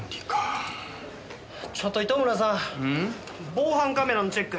防犯カメラのチェック